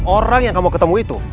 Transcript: orang yang kamu ketemu itu